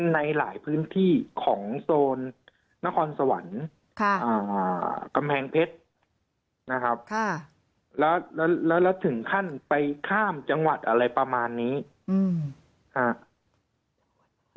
ในหลายพื้นที่ของโซนนครสวรรค์ค่ะอ่ากำแพงเพชรนะครับค่ะแล้วแล้วแล้วแล้วถึงขั้นไปข้ามจังหวัดอะไรประมาณนี้อืมค่ะ